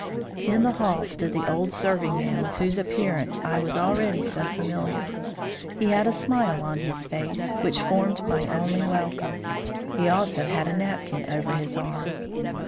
In the hall stood the old serving man with whose appearance I was already so familiar. He had a smile on his face, which formed my only welcome. He also had a napkin over his arm.